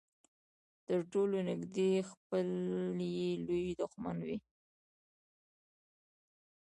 تر ټولو نږدې خپل يې لوی دښمن وي.